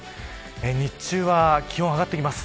日中は気温が上がってきます。